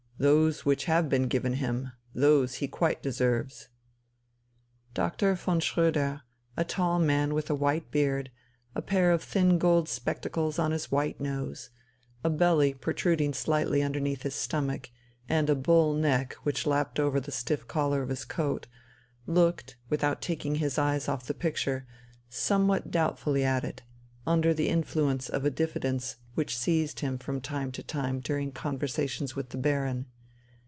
Those which have been given him; those he quite deserves." Dr. von Schröder, a tall man with a white beard, a pair of thin gold spectacles on his white nose, a belly protruding slightly underneath his stomach, and a bull neck, which lapped over the stiff collar of his coat, looked, without taking his eyes off the picture, somewhat doubtfully at it, under the influence of a diffidence which seized him from time to time during conversations with the baron.